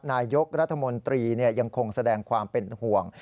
นายกรัฐมนตรียังคงแสดงความเป็นห่วง